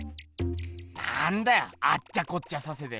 なんだよあっちゃこっちゃさせて。